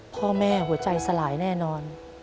พ่อแม่หัวใจสลายแน่นอน